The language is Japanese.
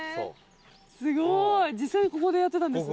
すごい実際にここでやってたんですね。